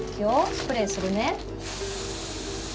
スプレーするね。